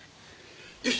よし。